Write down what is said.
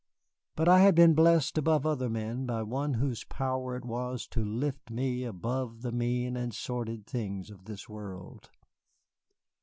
But I had been blessed above other men by one whose power it was to lift me above the mean and sordid things of this world.